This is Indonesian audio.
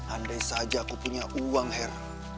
andai saja aku punya uang hera